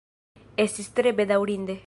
Estis tre bedaŭrinde.